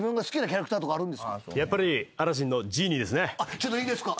ちょっといいですか？